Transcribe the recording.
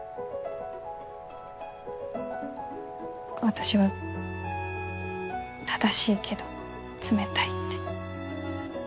私は正しいけど冷たいって。